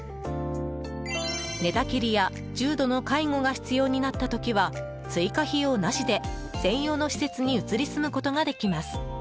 寝たきりや重度の介護が必要になった時は追加費用なしで、専用の施設に移り住むことができます。